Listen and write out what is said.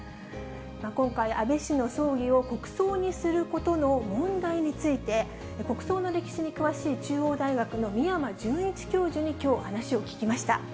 今回、安倍氏の葬儀を国葬にすることの問題について、国葬の歴史に詳しい中央大学の宮間純一教授に、きょう話を聞きました。